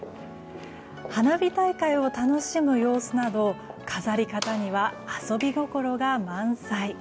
花火大会を楽しむ様子など飾り方には遊び心が満載。